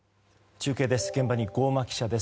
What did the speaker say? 中継です。